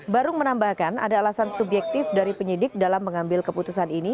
barung menambahkan ada alasan subjektif dari penyidik dalam mengambil keputusan ini